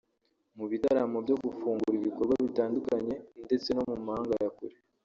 mu bitaramo byo gufungura ibikorwa bitandukanye ndetse no mu mahanga ya kure